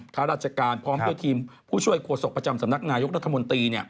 ข้าราชการพร้อมด้วยทีมผู้ช่วยโฆษกประจำสำนักนายกรัฐมนตรี